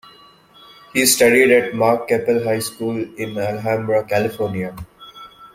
He studied at Mark Keppel High School in Alhambra, California.